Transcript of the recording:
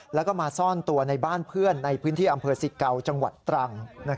แล้วก็มาซ่อนตัวในบ้านเพื่อนในพื้นที่อำเภอสิเกาจังหวัดตรัง